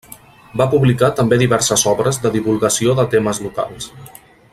Va publicar també diverses obres de divulgació de temes locals.